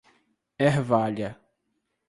Ervália